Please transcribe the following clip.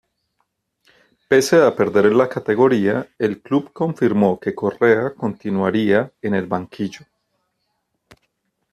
Pese a perder la categoría, el club confirmó que Correa continuaría en el banquillo.